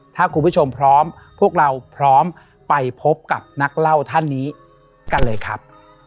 ถ้าคุณผู้ชมพร้อมพวกเราพร้อมไปพบกับนักเล่าท่านนี้กันเลยครับ